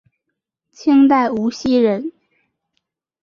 清代无锡人。